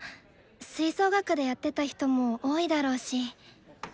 吹奏楽でやってた人も多いだろうし。